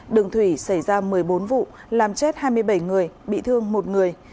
đường thủy xảy ra một mươi bốn vụ làm chết hai mươi bảy người bị thương một người